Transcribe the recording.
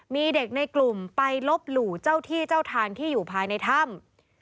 มีเด็กในกลุ่มไปลบหลู่เจ้าที่เจ้าทางที่อยู่ภายในถ้ำ